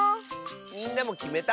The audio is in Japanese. みんなもきめた？